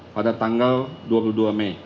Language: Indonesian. pada tanggal dua puluh dua mei